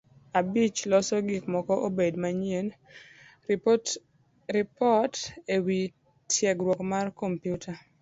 Abich; Loso gik moko obed manyien. Ripot e wi tiegruok mar kompyuta